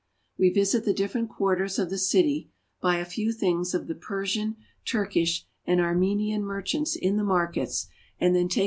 We visit the different quarters of the city, buy a few things of the Persian, Turkish, and Armenian mer IN CONSTANTINOPLE.